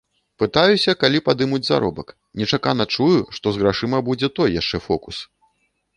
Пытаюся, калі падымуць заробак, нечакана чую, што з грашыма будзе той яшчэ фокус.